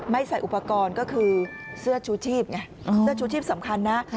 ใส่อุปกรณ์ก็คือเสื้อชูชีพไงเสื้อชูชีพสำคัญนะ